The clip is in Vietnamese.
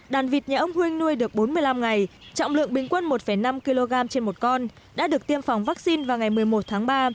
đàn vịt nhà ông huynh nuôi được bốn mươi năm ngày trọng lượng bình quân một năm kg trên một con đã được tiêm phòng vaccine vào ngày một mươi một tháng ba